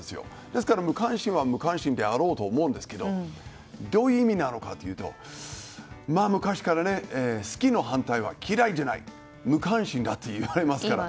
ですから、無関心は無関心であろうと思いますがどういう意味なのかというと昔から好きの反対は嫌いじゃない無関心だといわれますから。